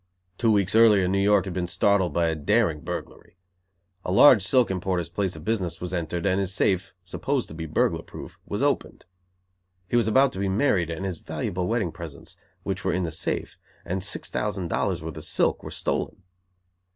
Two weeks earlier New York had been startled by a daring burglary. A large silk importer's place of business was entered and his safe, supposed to be burglar proof, was opened. He was about to be married, and his valuable wedding presents, which were in the safe, and six thousand dollars worth of silk, were stolen.